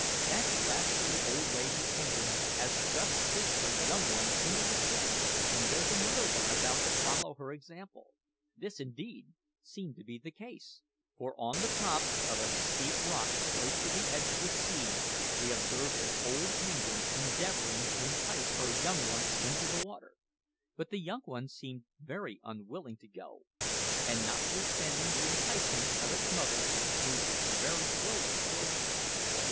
That rascally old lady penguin has just pitched her young one into the sea, and there's another about to follow her example." This indeed seemed to be the case, for on the top of a steep rock close to the edge of the sea we observed an old penguin endeavouring to entice her young one into the water; but the young one seemed very unwilling to go, and notwithstanding the enticements of its mother, moved very slowly towards her.